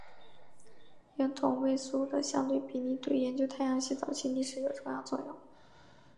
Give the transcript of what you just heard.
氙同位素的相对比例对研究太阳系早期历史有重要的作用。